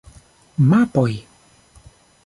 Mapoj!